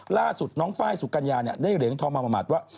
ล่าสุดน้องไฟล์สุกัญญาได้เหรียญทองมาประมาทว่า